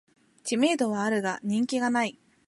知名度はあるが人気ない